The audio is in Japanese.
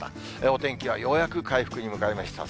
お天気はようやく回復に向かいました。